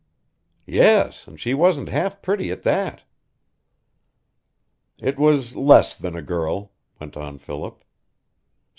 "Yes, and she wasn't half pretty at that." "It was less than a girl," went on Philip.